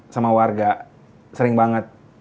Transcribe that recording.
sama warga sering banget